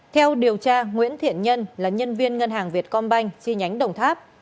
theo điều tra nguyễn thiện nhân là nhân viên ngân hàng việt công banh chi nhánh đồng tháp